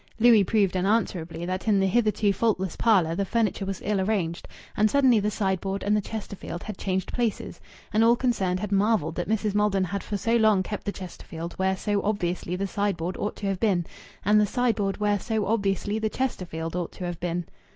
Louis proved unanswerably that in the hitherto faultless parlour the furniture was ill arranged, and suddenly the sideboard and the Chesterfield had changed places, and all concerned had marvelled that Mrs. Maldon had for so long kept the Chesterfield where so obviously the sideboard ought to have been, and the sideboard where so obviously the Chesterfield ought to have been.